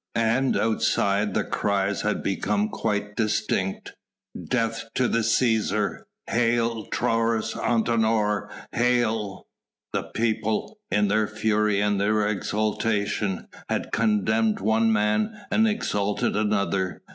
And outside the cries had become quite distinct. "Death to the Cæsar! Hail Taurus Antinor! Hail!" The people, in their fury and their exultation, had condemned one man and exalted another.